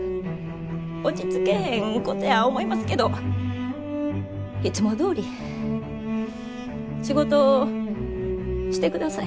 落ち着けへんことや思いますけどいつもどおり仕事してください。